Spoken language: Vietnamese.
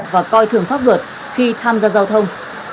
và coi thường pháp luật khi tham gia giao thông